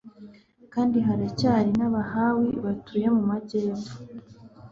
kandi haracyari n'abahawi batuye mu majyepfo